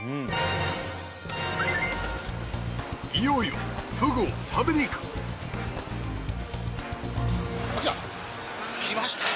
いよいよフグを食べに行く来ましたよ